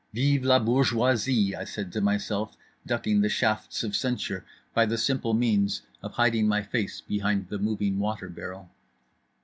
Vive la bourgeoisie, I said to myself, ducking the shafts of censure by the simple means of hiding my face behind the moving water barrel.